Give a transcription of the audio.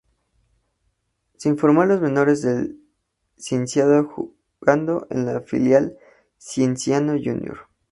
Se formó en las menores del Cienciano jugando en la filial Cienciano jr.